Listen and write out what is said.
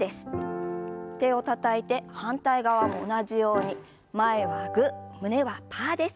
手をたたいて反対側も同じように前はグー胸はパーです。